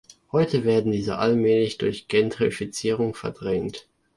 Heute werden diese allmählich durch Gentrifizierung verdrängt.